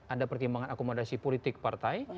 ada pertimbangan akomodasi politik partai